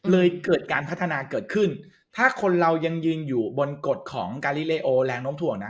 เลยเกิดการพัฒนาเกิดขึ้นถ้าคนเรายังยืนอยู่บนกฎของกาลิเลโอแรงน้มถ่วงนะ